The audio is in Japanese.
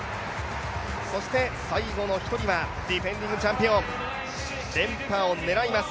そして最後の１人はディフェンディングチャンピオン、連覇を狙います